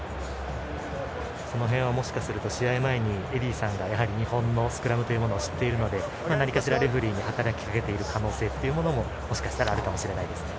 その辺はもしかすると試合前にエディーさんがやはり日本のスクラムを知っているので何かしらレフリーに働きかけている可能性もあるかもしれないですね。